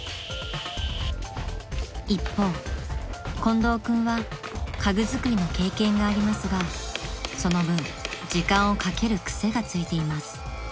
［一方近藤君は家具作りの経験がありますがその分時間をかける癖がついています］